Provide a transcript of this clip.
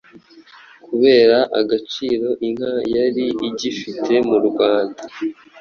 Kubera agaciro inka yari igifite mu Rwanda